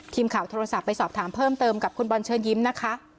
ทีมข่าวโทรศัพท์ไปสอบถามเพิ่มเติมกับคุณบอลเชิญยิ้มนะคะ